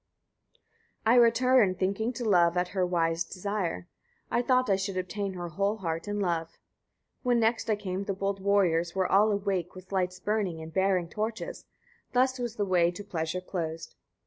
99. I returned, thinking to love, at her wise desire. I thought I should obtain her whole heart and love. 100. When next I came the bold warriors were all awake, with lights burning, and bearing torches: thus was the way to pleasure closed.